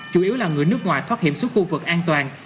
chủ yếu là người nước ngoài thoát hiểm xuống khu vực an toàn